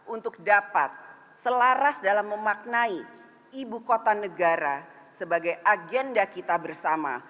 untuk dapat selaras dalam memaknai ibu kota negara sebagai agenda kita bersama